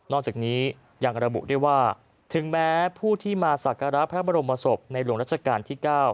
จากนี้ยังระบุด้วยว่าถึงแม้ผู้ที่มาสักการะพระบรมศพในหลวงรัชกาลที่๙